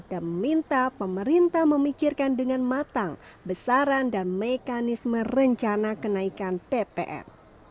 dan meminta pemerintah memikirkan dengan matang besaran dan mekanisme rencana kenaikan ppn